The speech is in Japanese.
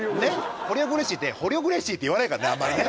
ホリオン・グレイシーって「ホリオン・グレイシー！」って言わないからねあんまりね。